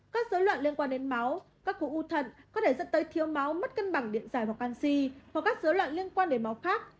các dấu loạn liên quan đến máu các khu u thật có thể dẫn tới thiếu máu mất cân bằng điện giải hoặc canxi hoặc các dấu loạn liên quan đến máu khác